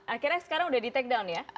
akhirnya sekarang udah di takedown ya